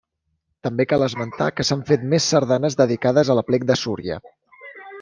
També cal esmentar que s’han fet més sardanes dedicades a l'Aplec de Súria.